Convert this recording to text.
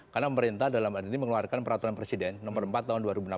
karena pemerintah dalam hal ini mengeluarkan peraturan presiden nomor empat tahun dua ribu enam belas